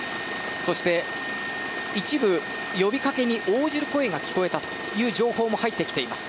そして一部呼びかけに応じる声が聞こえたという情報も入ってきています。